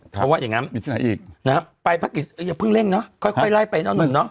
เพราะว่าอย่างงั้นไปพระกิจอย่าเพิ่งเร่งเนาะค่อยไล่ไปเนาะหนึ่งเนาะ